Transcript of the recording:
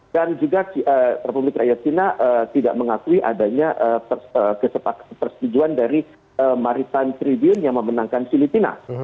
dan juga republik rakyat cina tidak mengakui adanya kesepak persetujuan dari maritan tribune yang memenangkan filipina